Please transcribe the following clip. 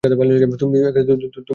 তুমি যে দেখি ভবিষ্যৎ দেখে বিধান দাও।